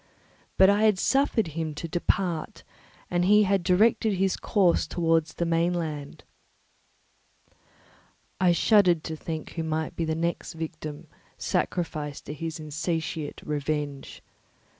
But I had suffered him to depart, and he had directed his course towards the mainland. I shuddered to think who might be the next victim sacrificed to his insatiate revenge.